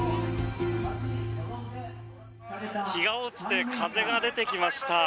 日が落ちて風が出てきました。